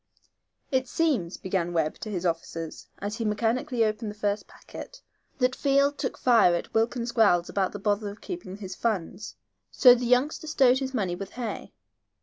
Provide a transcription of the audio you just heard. "It seems," began Webb, to his officers, as he mechanically opened the first packet, "that Field took fire at Wilkins's growls about the bother of keeping his funds, so the youngster stowed his money with Hay.